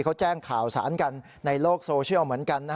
เขาแจ้งข่าวสารกันในโลกโซเชียลเหมือนกัน